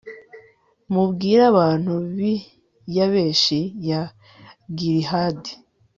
mubwire abantu b'i yabeshi ya gilihadi